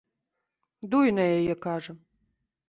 Дуй на яе, кажа!